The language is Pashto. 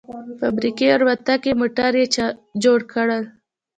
فابريکې او الوتکې او موټر يې جوړ کړل.